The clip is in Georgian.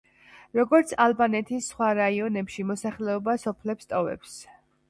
როგორც ალბანეთის სხვა რაიონებში მოსახლეობა სოფლებს ტოვებს.